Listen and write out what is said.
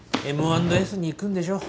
Ｍ＆Ｓに行くんでしょ。